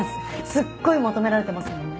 すっごい求められてますもんね。